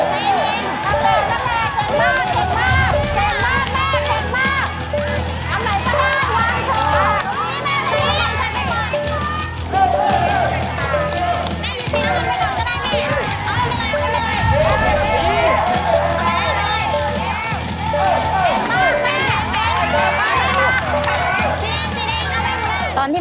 เอาไปเร็ว